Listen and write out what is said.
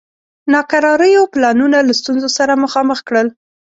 ناکراریو پلانونه له ستونزو سره مخامخ کړل.